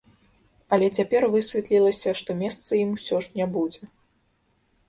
Але цяпер высветлілася, што месца ім усё ж не будзе.